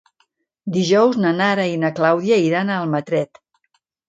Dijous na Nara i na Clàudia iran a Almatret.